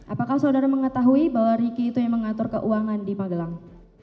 apakah saudara mengetahui bahwa ricky itu yang mengatur keuangan di magelang